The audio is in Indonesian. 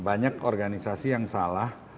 banyak organisasi yang salah